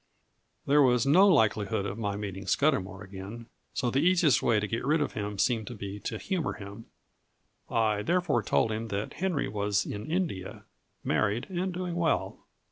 There was no likelihood of my meeting Scudamour again, so the easiest way to get rid of him seemed to be to humour him. I therefore told him that Henry was in India, married, and doing well.